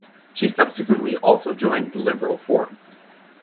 She subsequently also joined the Liberal Forum.